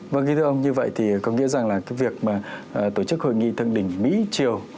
vâng thưa ông như vậy thì có nghĩa rằng là cái việc mà tổ chức hội nghị thượng đỉnh mỹ triều